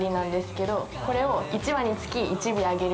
これを。